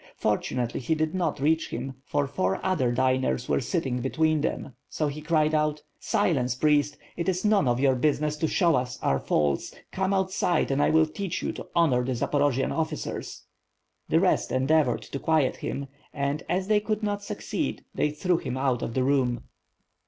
Fortunately, he did not reach him, for four other diners were sitting between them, so he cried out: "Silence, priest, it is none of your business to show us our faults, come outside and I will teach you to honor the Zaporojian officers." The rest endeavored to quiet him, and, as they could not' succeed, they threw him out of the room.